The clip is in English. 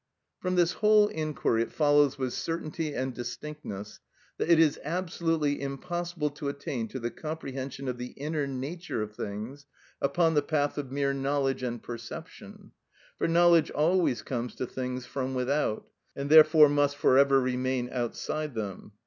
From this whole inquiry it follows with certainty and distinctness that it is absolutely impossible to attain to the comprehension of the inner nature of things upon the path of mere knowledge and perception. For knowledge always comes to things from without, and therefore must for ever remain outside them.